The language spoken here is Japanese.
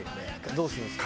「どうするんですか？」。